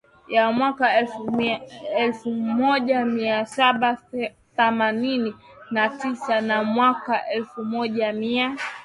ya mwaka elfu moja mia saba themanini na tisa na mwaka elfu moja mia